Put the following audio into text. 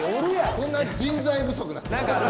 そんな人材不足なの？